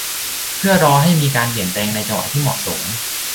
เพื่อรอให้มีการเปลี่ยนแปลงในจังหวะที่เหมาะสม